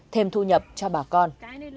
thêm thu nhập cho bà con